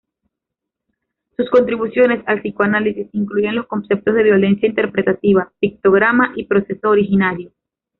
Sus contribuciones al psicoanálisis incluyen los conceptos de violencia interpretativa, pictograma y proceso originario.